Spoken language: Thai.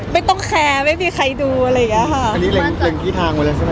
ไม่ต้องแคร์ไม่มีใครดูอะไรอย่างเนี้ยค่ะ